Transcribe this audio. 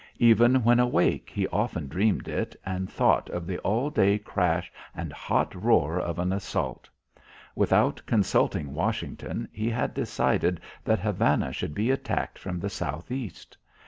Even when awake, he often dreamed it and thought of the all day crash and hot roar of an assault. Without consulting Washington, he had decided that Havana should be attacked from the south east.